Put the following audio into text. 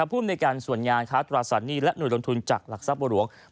ผู้อำนวยการส่วนงานค้าตราสัตว์หนี้และหน่วยลงทุนจากหลักทรัพย์บัวหลวง